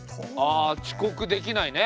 あ遅刻できないね。